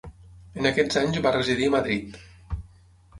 En aquests anys va residir a Madrid.